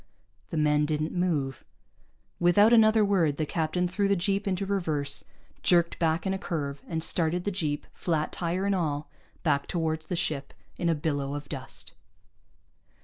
The men didn't move. Without another word, the captain threw the jeep into reverse, jerked back in a curve, and started the jeep, flat tire and all, back toward the ship in a billow of dust.